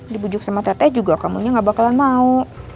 dibujuk sama teh teh juga kamu gak bakalan mau